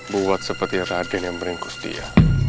buat seperti raden yang meringkus dia